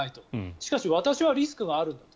しかし私はリスクがあるんだと。